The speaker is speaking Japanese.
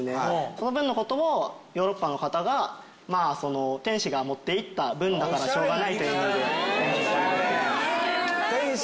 その分のことをヨーロッパの方が天使が持っていった分だからしょうがないという意味で天使の取り分と言います